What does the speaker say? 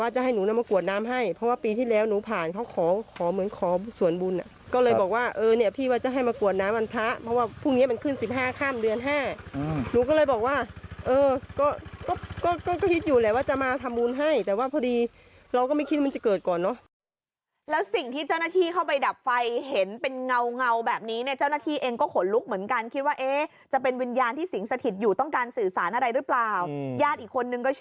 ใช่หรอเดี๋ยวเอาภาพแบบที่ให้เห็นชัดนะคุณผู้ชม